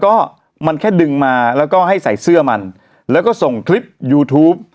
ก็มันแค่ดึงมาแล้วก็ให้ใส่เสื้อมันแล้วก็ส่งคลิปยูทูป